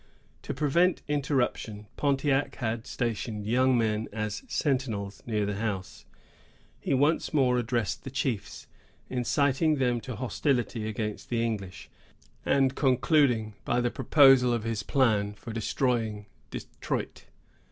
To prevent interruption, Pontiac had stationed young men as sentinels, near the house. He once more addressed the chiefs; inciting them to hostility against the English, and concluding by the proposal of his plan for destroying Detroit.